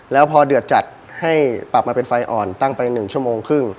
แล้วพอเดือดจัดให้ปรับมาเป็นไฟอ่อนตั้งไป๑ชั่วโมงครึ่ง